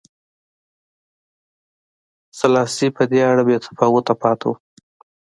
سلاسي په دې اړه بې تفاوته پاتې و.